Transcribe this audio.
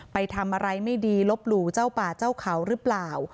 ไปทำอะไรไม่ดีลบหลู่เจ้าป่าเจ้าเขาหรือเปล่า